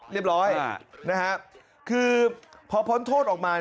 เรียบร้อยคือพอพ้นโทษออกมา